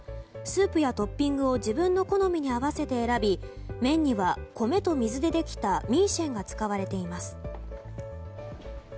スープやトッピングを自分の好みに合わせて選び麺には米と水でできたミーシェンが使われています。